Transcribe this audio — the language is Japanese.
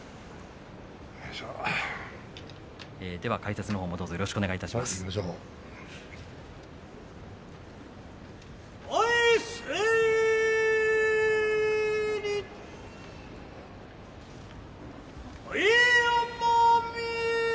では解説のほうもどうぞよろしくお願いします。